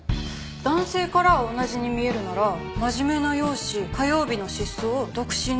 男性からは同じに見えるなら真面目な容姿火曜日の失踪独身だと思っていた。